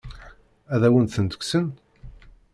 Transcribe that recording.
Ad awen-tent-kksen?